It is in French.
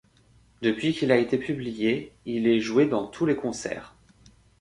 Depuis qu'il a été publié, il est joué dans tous les concerts.